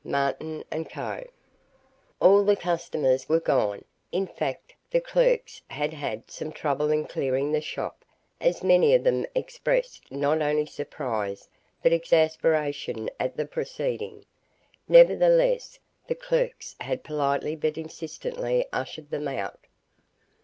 Martin & Co." All the customers were gone. In fact the clerks had had some trouble in clearing the shop, as many of them expressed not only surprise but exasperation at the proceeding. Nevertheless the clerks had politely but insistently ushered them out.